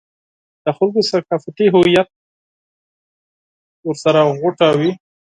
د خلکو ثقافتي هویت ورسره غوټه وي.